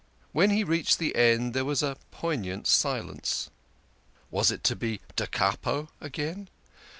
When he reached the end there was a poignant silence. Was it to be da capo again